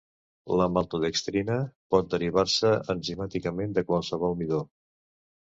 La maltodextrina pot derivar-se enzimàticament de qualsevol midó.